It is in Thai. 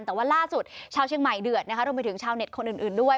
แต่ว่าล่าสุดชาวเชียงใหม่เดือดนะคะรวมไปถึงชาวเน็ตคนอื่นด้วย